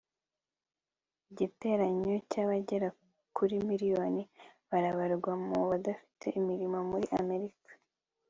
igiteranyo cy' abagera kuri miliyoni . barabarwa mu badafite imirimo muri amerika